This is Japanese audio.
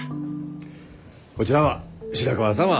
こちらは白川様。